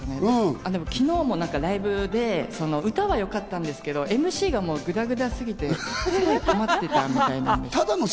昨日もライブで、歌はよかったんですけどＭＣがグダグダすぎて困ってたみたいなんです。